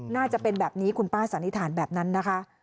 น่าจะเป็นแบบนี้คุณป้าสันนิษฐานแบบนั้นนะคะ